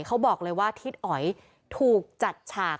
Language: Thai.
เขาบอกเลยว่าทิศอ๋อยถูกจัดฉาก